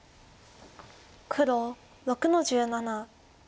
黒６の十七。